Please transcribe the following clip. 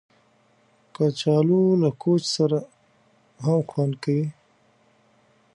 کچالو له کوچ سره هم خوند کوي